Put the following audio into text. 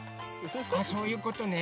あそういうことね。